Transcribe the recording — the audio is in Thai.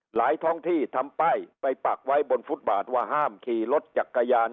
ท้องที่ทำป้ายไปปักไว้บนฟุตบาทว่าห้ามขี่รถจักรยาน